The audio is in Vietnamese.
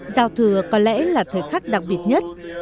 giao thừa có lẽ là thời khắc đặc biệt nhất